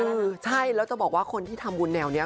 คือใช่แล้วจะบอกว่าคนที่ทำบุญแนวนี้